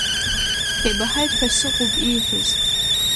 Ибаҳаит ҳәа сыҟоуп ииҳәаз.